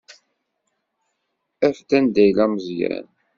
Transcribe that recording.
Af-d anda yella Meẓyan.